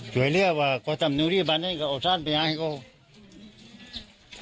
จ่วยเหลือว่าพ่อทำธุรกิจมาเลยอาวุธสรรพี่ไอ้เขา